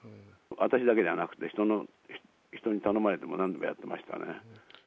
私だけじゃなくて、人に頼まれるとなんでもやってましたね。